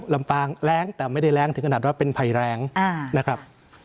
ลำปางแรงแต่ไม่ได้แรงถึงขนาดว่าเป็นภัยแรงนะครับ